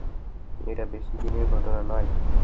এটা বেশি দিনের ঘটনা নয়।